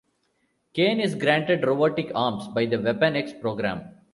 Kane is granted robotic arms by the Weapon X program.